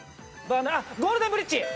「ゴールデンブリッジ」。